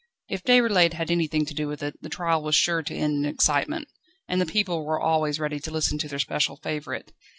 If Déroulède had anything to do with it, the trial was sure to end in excitement. And the people were always ready to listen to their special favourite.